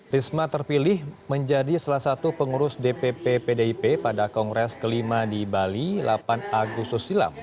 risma terpilih menjadi salah satu pengurus dpp pdip pada kongres kelima di bali delapan agustus silam